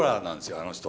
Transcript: あの人。